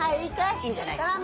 いいんじゃないですか。